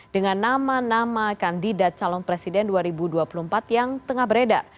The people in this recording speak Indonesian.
dengan nama nama kandidat calon presiden dua ribu dua puluh empat yang tengah beredar